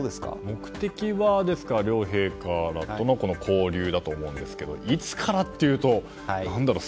目的は、両陛下との交流だと思うんですけどいつからっていうと、何だろう？